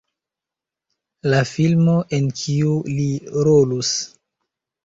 la filmo en kiu li rolus